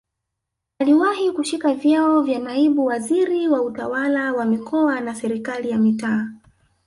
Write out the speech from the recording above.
Aliwahi kushika vyeo vya naibu waziri wa utawala wa mikoa na serikali ya mitaa